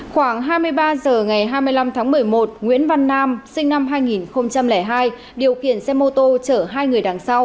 khoảng hai mươi ba h ngày hai mươi năm tháng một mươi một nguyễn văn nam sinh năm hai nghìn hai điều khiển xe mô tô chở hai người đằng sau